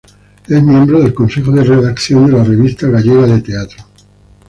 Es miembro del consejo de redacción de la "Revista Gallega de Teatro".